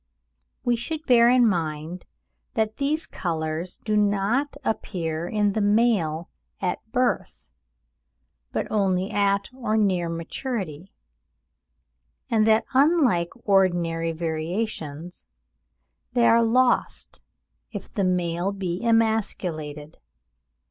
We should bear in mind that these colours do not appear in the male at birth, but only at or near maturity; and that unlike ordinary variations, they are lost if the male be emasculated.